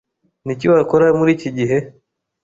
Niki wakora muriki gihe?